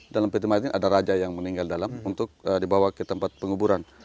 dalam peti mati ada raja yang meninggal dalam untuk dibawa ke tempat penguburan